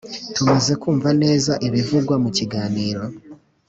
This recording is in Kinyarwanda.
tumaze kumva neza ibivugwa mu kiganiro